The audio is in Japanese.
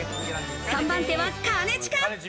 ３番手は兼近。